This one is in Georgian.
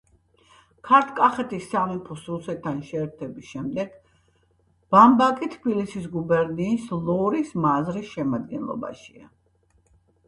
ქართლ-კახეთის სამეფოს რუსეთთან შეერთების შემდეგ ბამბაკი თბილისის გუბერნიის ლორის მაზრის შემადგენლობაშია.